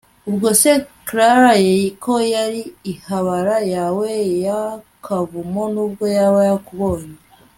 ubwo se Clara ko yari ihabara yawe yakuvamo nubwo yaba yakubonye